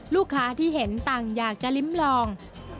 ลูกค้าที่เห็นต่างอยากจะลิ้มลอง